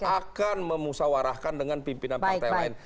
akan memusawarahkan dengan pimpinan partai lain